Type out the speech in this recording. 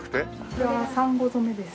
これはサンゴ染めです。